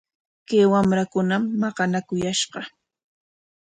Kay wamrakunam maqanakuyashqa.